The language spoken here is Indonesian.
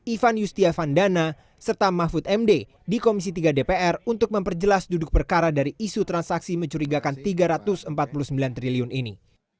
ivan yustiavandana serta mahfud md di komisi tiga dpr untuk memperjelas duduk perkara dari isu transaksi mencurigakan rp tiga ratus empat puluh sembilan triliun ini